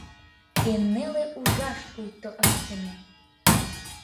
Эн неле ужаш пуйто ыштыме.